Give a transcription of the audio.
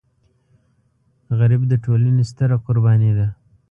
غریب د ټولنې ستره قرباني ده